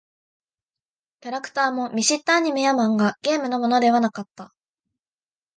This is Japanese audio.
キャラクターも見知ったアニメや漫画、ゲームのものではなかった。